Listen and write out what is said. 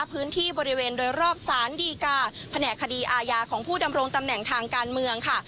พื้นที่บริเวณโดยรอบสารดีกาแผนกคดีอาญาของผู้ดำรงตำแหน่งทางการเมืองค่ะ